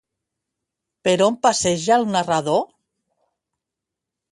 Per on passeja el narrador?